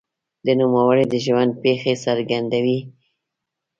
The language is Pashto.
د نوموړي د ژوند پېښې څرګندوي.